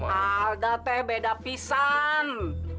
alda teh beda pisang